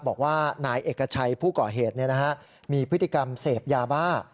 บอกว่านายเอกชัยผู้ก่อเหตุมีพฤติกรรมเสพยาบ้า